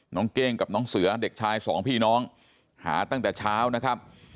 เก้งกับน้องเสือเด็กชายสองพี่น้องหาตั้งแต่เช้านะครับ